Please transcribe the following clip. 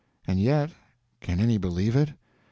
And yet—can any believe it?